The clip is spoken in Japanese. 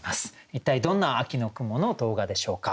一体どんな秋の雲の動画でしょうか。